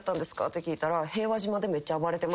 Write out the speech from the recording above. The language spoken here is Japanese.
って聞いたら。